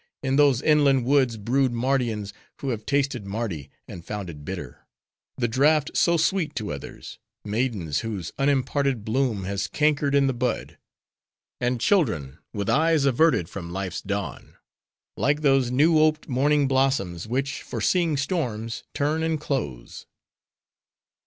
In those inland woods brood Mardians who have tasted Mardi, and found it bitter—the draught so sweet to others!—maidens whose unimparted bloom has cankered in the bud; and children, with eyes averted from life's dawn—like those new oped morning blossoms which, foreseeing storms, turn and close."